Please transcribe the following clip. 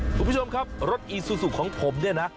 คุณผู้ชมครับรถอีซูซูของผมเนี่ยนะ